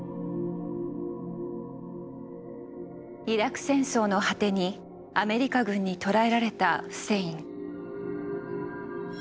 イラク戦争の果てにアメリカ軍に捕らえられたフセイン。